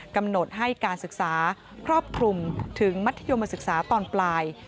กำหนดให้การศึกษาครอบคลุมถึงมัธยมศึกษาตอนปลาย